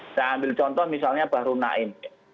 saya ambil contoh misalnya bahru naim